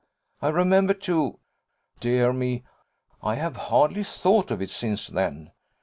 I remember too dear me, I have hardly thought of it since then!